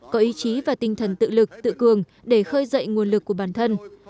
có ý chí và tinh thần tự lực tự cường để khơi dậy nguồn lực của bản thân